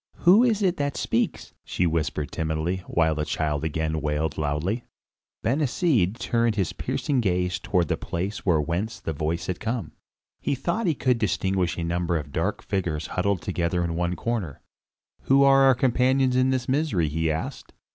"Who is it that speaks?" she whispered timidly, while the child again wailed loudly. Ben Hesed turned his piercing gaze toward the place from whence the voice had come. He thought he could distinguish a number of dark figures huddled together in one corner. "Who are our companions in this misery?" he asked.